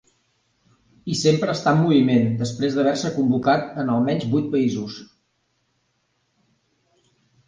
I sempre està en moviment, després d'haver-se convocat en almenys vuit països.